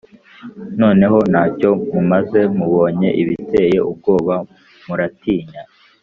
noneho nta cyo mumaze mubonye ibiteye ubwoba muratinya